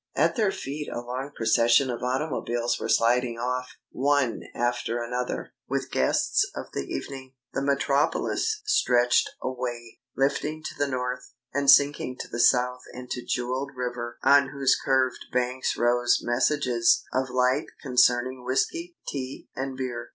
At their feet a long procession of automobiles were sliding off, one after another, with the guests of the evening. The metropolis stretched away, lifting to the north, and sinking to the south into jewelled river on whose curved bank rose messages of light concerning whisky, tea, and beer.